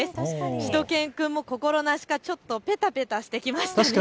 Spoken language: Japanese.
しゅと犬くんも心なしかちょっとべたべたしてきました。